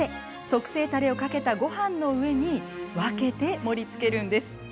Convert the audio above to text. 特製たれをかけたごはんの上に分けて盛りつけるんです。